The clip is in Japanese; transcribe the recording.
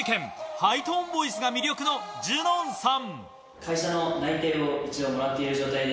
ハイトーンボイスが魅力のジュノンさん。